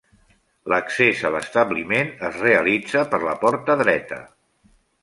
L'accés a l'establiment es realitza per la porta dreta.